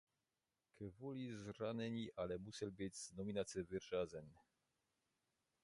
Kvůli zranění ale musel být z nominace vyřazen.